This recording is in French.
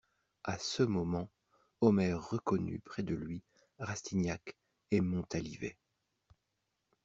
A ce moment, Omer reconnut près de lui Rastignac et Montalivet.